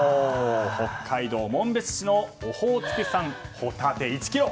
北海道紋別市のオホーツク産ホタテ玉１ｋｇ。